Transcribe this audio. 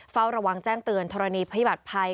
เฝ้าระวังแจ้งเตือนธรณีพยบัติภัย